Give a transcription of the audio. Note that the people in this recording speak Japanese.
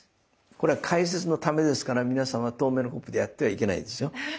これは解説のためですから皆さんは透明のコップでやってはいけないんですよ。